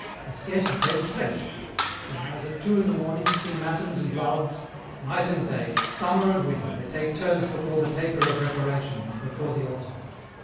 They scarcely taste flesh ; they rise at two in the morning to sing Matins and Lauds, night and day, summer and winter, they take turns before the taper of reparation, and before the altar.